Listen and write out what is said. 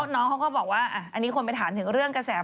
น้องเขาก็บอกว่าอันนี้คนไปถามถึงเรื่องกระแส